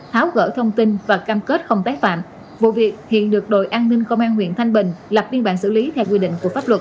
tháo gỡ thông tin và cam kết không tái phạm vụ việc hiện được đội an ninh công an huyện thanh bình lập biên bản xử lý theo quy định của pháp luật